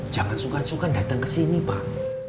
jangan sukan sukan dateng kesini pak